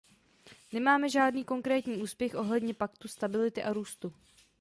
Nemáme žádný konkrétní úspěch ohledně Paktu stability a růstu.